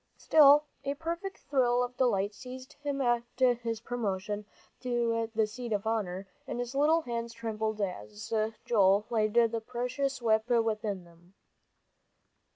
Still, a perfect thrill of delight seized him at his promotion to the seat of honor, and his little hands trembled as Joel laid the precious whip within them.